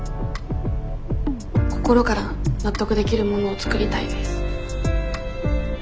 心から納得できるものを作りたいです。